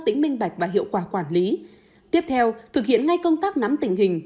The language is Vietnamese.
tính minh bạch và hiệu quả quản lý tiếp theo thực hiện ngay công tác nắm tình hình